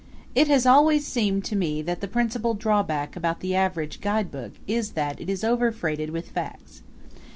It has always seemed to me that the principal drawback about the average guidebook is that it is over freighted with facts.